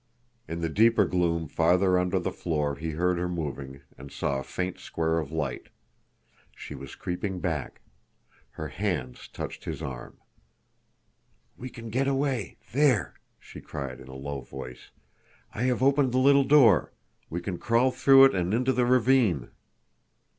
In the deeper gloom farther under the floor he heard her moving, and saw a faint square of light. She was creeping back. Her hands touched his arm. "We can get away—there!" she cried in a low voice. "I have opened the little door. We can crawl through it and into the ravine."